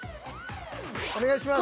お願いします。